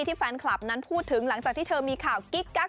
แฟนคลับนั้นพูดถึงหลังจากที่เธอมีข่าวกิ๊กกัก